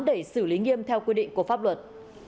để xử lý nghiêm theo quy định của pháp luật